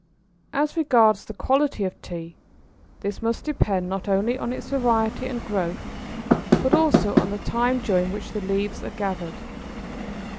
] As regards the quality of Tea, this must depend not only on its variety and growth, but also on the time during which the leaves are gathered.